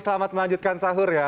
selamat melanjutkan sahur ya